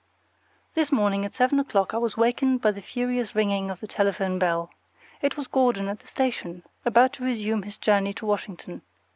This morning at seven o'clock I was wakened by the furious ringing of the telephone bell. It was Gordon at the station, about to resume his journey to Washington.